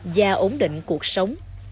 và ổn định cuộc sống